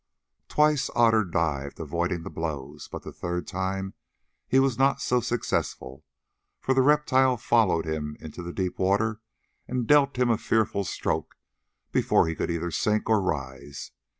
Twice Otter dived, avoiding the blows, but the third time he was not so successful, for the reptile followed him into the deep water and dealt him a fearful stroke before he could either sink or rise.